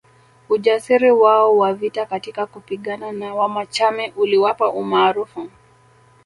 Ujasiri wao wa vita katika kupigana na Wamachame uliwapa umaarufu